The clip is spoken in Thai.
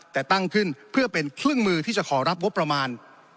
แต่ตั้งขึ้นเพื่อเป็นเครื่องมือที่จะขอรับงบประมาณ